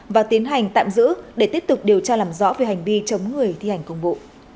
và tiến hành tạm giữ để tiếp tục điều tra làm rõ về hành vi chống người thi hành công vụ